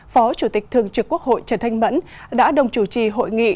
phó chủ tịch thường trực quốc hội trần thanh mẫn đã đồng chủ trì hội nghị